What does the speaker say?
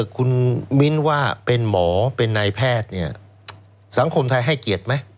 คุณมิ้นว่าเป็นหมอเป็นนายแพทย์เนี่ยสังคมไทยให้เกียรติไหม